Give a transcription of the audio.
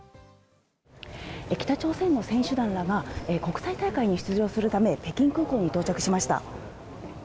北朝鮮の選手団らが国際大会に出場するため北京空港に到着しました。